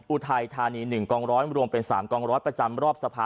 อุทัยธานี๑กองร้อยรวมเป็น๓กองร้อยประจำรอบสภา